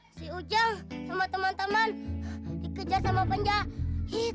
si ujang sama teman teman dikejar sama penjahit